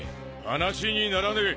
話にならねえ。